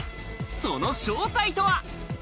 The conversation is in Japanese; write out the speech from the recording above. その正体とは？